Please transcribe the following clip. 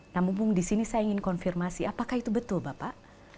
nah mumpung di sini saya ingin konfirmasi apakah itu betul bapak